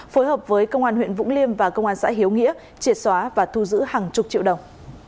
phối hợp với công an huyện vũng liêm và công an xã hiếu nghĩa triệt xóa và thu giữ hàng chục triệu đồng